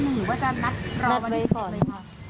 หรือว่าจะนัดรอวันนี้ก่อน